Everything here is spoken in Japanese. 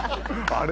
「あれ？」